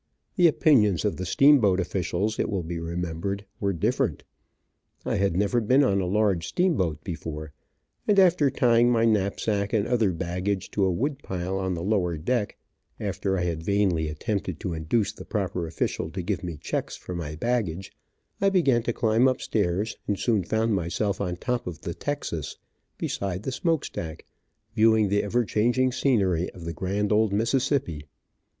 The opinions of the steamboat officials, it will be remembered, were different. I had never been on a large steamboat before, and after tying my knapsack and other baggage to a wood pile on the lower deck, after I had vainly attempted to induce the proper official to give me checks for my baggage, I began to climb up stairs, and soon found myself on top of the Texas, beside the smoke stack, viewing the ever changing scenery of the grand old Mississippi.